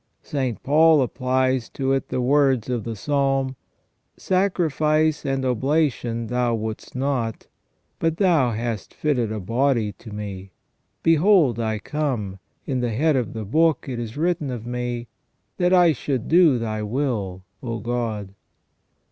St. Paul applies to it the words of the Psalm : "Sacrifice and oblation Thou wouldest not ; but Thou hast fitted a body to Me. Behold I come; in the head of the book it is written of Me, that I should do Thy will, O God."